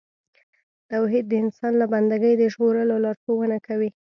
توحید د انسان له بندګۍ د ژغورلو لارښوونه کوي.